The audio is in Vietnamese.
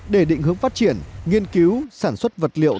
để định hướng phát triển nghiên cứu sản xuất vật liệu